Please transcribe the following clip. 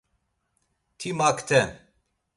Ti makten.